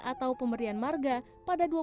atau menikah dengan bobi afif nasution